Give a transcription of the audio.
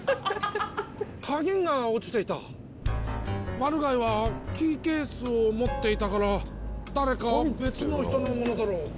鍵が落ちていたマル害はキーケースを持っていたから誰か別の人のものだろう